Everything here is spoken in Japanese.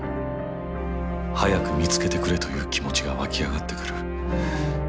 早く見つけてくれという気持ちが湧き上がってくる。